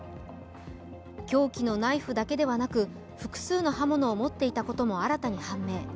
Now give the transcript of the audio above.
凶器のナイフだけではなく複数の刃物を持っていたことも新たに判明。